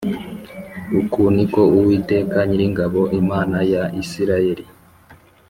Uku ni ko uwiteka nyiringabo imana ya isirayeli